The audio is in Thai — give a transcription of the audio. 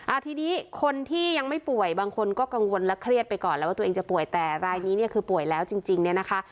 อ่าทีนี้คนที่ยังไม่ป่วยบางคนก็กังวลและเครียดไปก่อนแล้วว่าตัวเองจะป่วยแต่รายนี้เนี่ยคือป่วยแล้วจริงจริงเนี่ยนะคะ